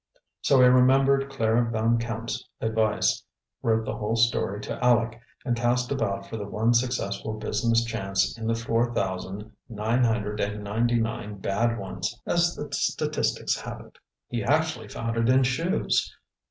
So he remembered Clara Van Camp's advice, wrote the whole story to Aleck, and cast about for the one successful business chance in the four thousand nine hundred and ninety nine bad ones as the statistics have it. He actually found it in shoes.